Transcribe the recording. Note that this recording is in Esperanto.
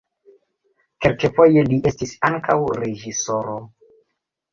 Kelkfoje li estis ankaŭ reĝisoro.